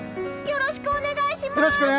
よろしくお願いします！